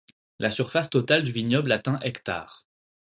La surface totale du vignoble atteint hectares.